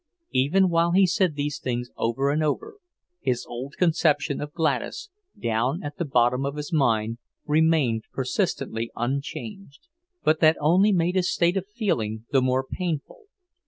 Even while he said these things over and over, his old conception of Gladys, down at the bottom of his mind, remained persistently unchanged. But that only made his state of feeling the more painful.